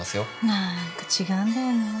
何か違うんだよなぁ。